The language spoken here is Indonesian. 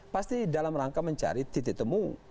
pasti dalam rangka mencari titik temu